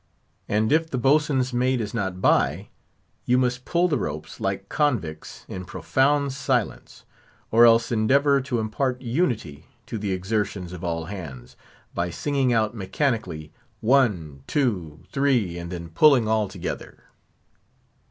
And if the boatswain's mate is not by, you must pull the ropes, like convicts, in profound silence; or else endeavour to impart unity to the exertions of all hands, by singing out mechanically, one, two, three, and then pulling all together.